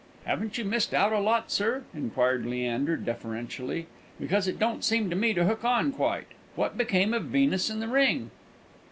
"Haven't you missed out a lot, sir?" inquired Leander, deferentially; "because it don't seem to me to hook on quite. What became of Venus and the ring?"